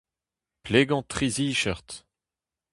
Plegañ tri zicheurt.